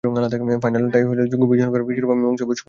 Final tie হলে যুগ্ম বিজয়ী নয়, শিরোপা মীমাংসা হবে সুপার ওভারে।